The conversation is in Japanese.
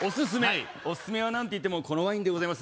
オススメは何ていってもこのワインでございます